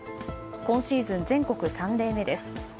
今シーズン全国３例目です。